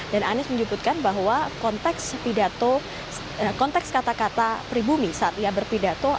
dan anis menyebutkan bahwa konteks pidato konteks kata kata pribumi saat ia berpidato